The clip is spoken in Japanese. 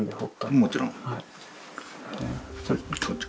もちろん。